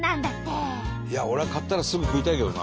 俺は買ったらすぐ食いたいけどな。